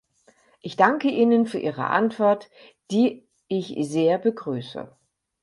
Ich danke Ihnen für Ihre Antwort, die ich sehr begrüße.